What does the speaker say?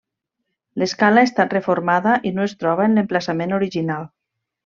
L'escala ha estat reformada i no es troba en l'emplaçament original.